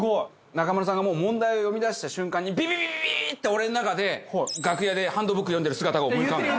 中丸さんがもう問題を読み出した瞬間にビビビビビッ！って俺の中で楽屋でハンドブック読んでる姿が思い浮かんで。